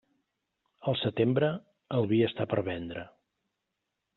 Al setembre, el vi està per vendre.